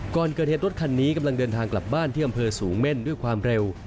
ก่อนเกิดเหตุรถคันนี้กำลังเดินทางกลับบ้านที่อำเภอสูงเม่นด้วยความเร็ว